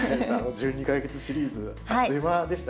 １２か月シリーズあっという間でしたね。